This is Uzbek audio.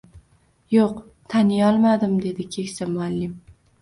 Yoʻq, taniyolmadim dedi keksa muallim.